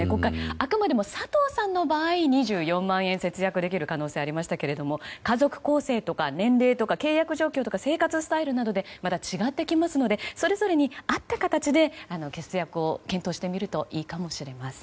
あくまでも佐藤さんの場合２４万円節約できる可能性がありましたけれども家族構成とか年齢とか契約状況とか生活スタイルなどでまた違ってきますのでそれぞれに合った形で節約を検討してみるといいかもしれません。